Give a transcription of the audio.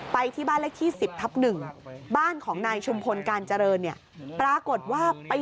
ไปที่บ้านเลขที่๑๐ทัพ๑